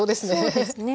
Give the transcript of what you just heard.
そうですね。